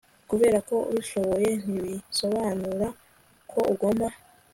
Kuberako ubishoboye ntibisobanura ko ugomba